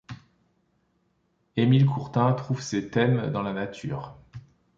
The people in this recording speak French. Émile Courtin trouve ses thèmes dans la nature.